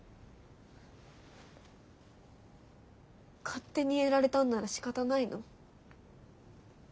勝手にやられたんならしかたないの？